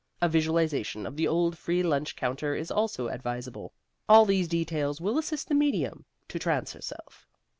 A visualization of the old free lunch counter is also advisable. All these details will assist the medium to trance herself."